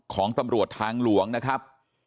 ของตำรวจทางหลวงนะครับ